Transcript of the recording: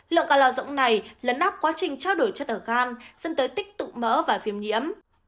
lượng cao lò rỗng này lấn áp quá trình trao đổi chất ở gan dân tới tích tụ mỡ và viêm nhiễm